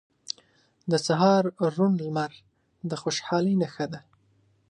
• د سهار روڼ لمر د خوشحالۍ نښه ده.